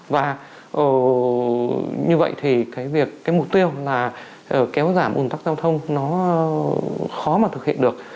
và như vậy thì cái việc cái mục tiêu là kéo giảm ồn tắc giao thông nó khó mà thực hiện được